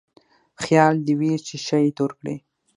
خيال دې وي چې ښه يې تور کړې.